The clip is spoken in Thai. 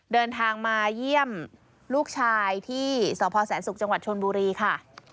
เดินทางมาเยี่ยมลูกชายที่สพแสนศุกร์จังหวัดชนบุรีค่ะ